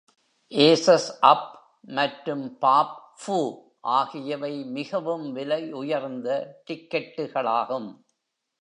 Aces up மற்றும் பாப் ஃபூ ஆகியவை மிகவும் விலையுயர்ந்த டிக்கெட்டுகளாகும்.